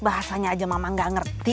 bahasanya aja mama gak ngerti